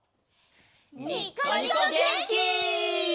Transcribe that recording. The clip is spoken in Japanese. にっこにこげんき！